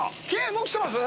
もう来てます？